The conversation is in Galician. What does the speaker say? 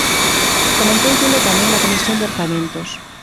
Comentóullelo tamén na Comisión de Orzamentos.